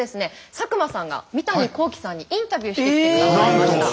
佐久間さんが三谷幸喜さんにインタビューしてきてくださいました。